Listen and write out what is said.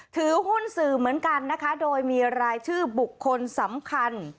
ถือหุ้นสื่อเหมือนกันนะคะโดยมีรายชื่อบุคคลสำคัญ